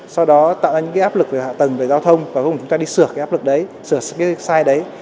sau đó tạo ra những cái áp lực về hạ tầng về giao thông và không để chúng ta đi sửa cái áp lực đấy sửa cái sai đấy